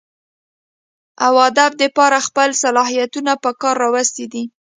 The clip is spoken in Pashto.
اوادب دپاره خپل صلاحيتونه پکار راوستي دي